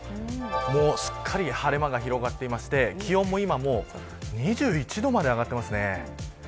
もうすっかり晴れ間が広がっていて気温も、今もう２１度まで上がっています。